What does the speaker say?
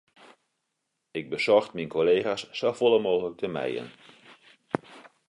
Ik besocht myn kollega's safolle mooglik te mijen.